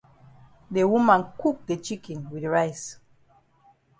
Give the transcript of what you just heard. De woman cook de chicken wit rice.